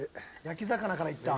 焼き魚からいった。